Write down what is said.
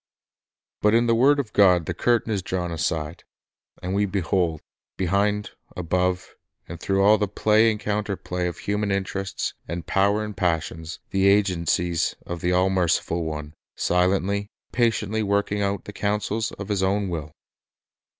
But in the word of God the curtain is drawn aside, and we behold, behind, above, and through all the play and counter play of human interests and power and passions, the agencies of the all merciful One, silently, patiently working out the counsels of His own will.